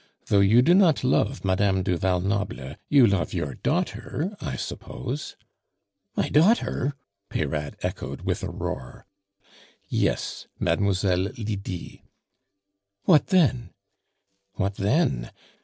Though you do not love Madame du Val Noble, you love your daughter, I suppose?" "My daughter?" Peyrade echoed with a roar. "Yes, Mademoiselle Lydie." "What then?" "What then?